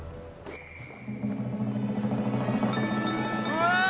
うわ！